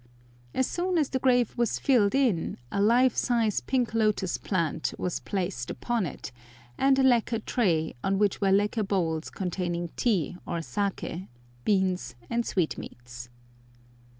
As soon as the grave was filled in, a life size pink lotus plant was placed upon it, and a lacquer tray, on which were lacquer bowls containing tea or saké, beans, and sweetmeats.